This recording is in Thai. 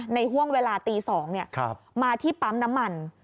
ห่วงเวลาตี๒มาที่ปั๊มน้ำมัน